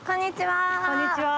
こんにちは。